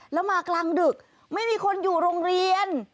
แล้วมากลางดึกไม่มีคนอยู่โรงเรียน